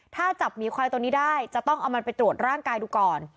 ถ้าจับหมีควายตัวนี้ได้จะต้องเอามันไปตรวจร่างกายดูก่อน